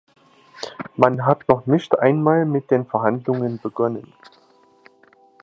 Man hat noch nicht einmal mit den Verhandlungen begonnen.